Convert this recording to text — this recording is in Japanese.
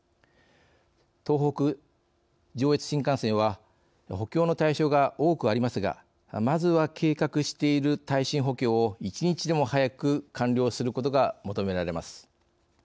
東北・上越新幹線は補強の対象が多くありますがまずは、計画している耐震補強を１日でも早く完了することが求められます。